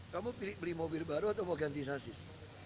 kamu beli mobil baru atau mau ganti sasis